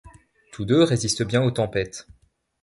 Tous deux résistent bien aux tempêtes.